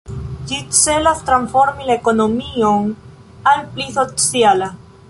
Ĝi celas transformi la ekonomion al pli sociala.